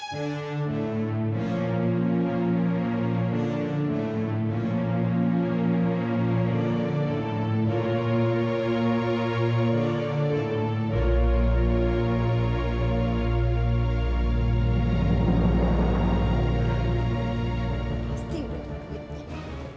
kok kagak ada duit